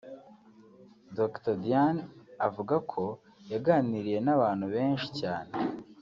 Dr Dean uvuga ko yaganiriye n’abantu benshi cyane